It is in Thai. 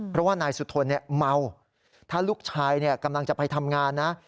เพราะว่านายสุธนเมาถ้าลูกชายกำลังจะไปทำงานนะ